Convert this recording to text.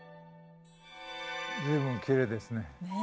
随分きれいですね。